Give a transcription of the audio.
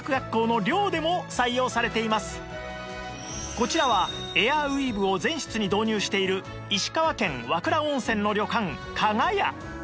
こちらはエアウィーヴを全室に導入している石川県和倉温泉の旅館加賀屋